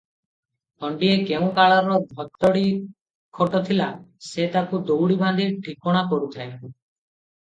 ଖଣ୍ଡିଏ କେଉଁ କାଳର ଧୋତଡ଼ି ଖଟ ଥିଲା, "ସେ ତାକୁ ଦଉଡ଼ି ବାନ୍ଧି ଠିକଣା କରୁଥାନ୍ତି ।